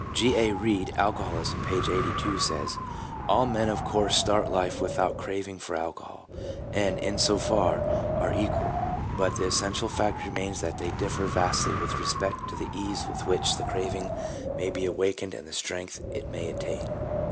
G. A. Reid, Alcoholism, p. 82, says — "All men of course start life without any craving for alcohol, and, in so far, are equal; but the essential fact remains that they differ vastly with respect to the ease with which the craving may be awakened and the strength it may attain."